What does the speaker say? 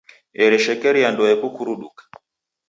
Ereshekeria ndoe kukuruduka.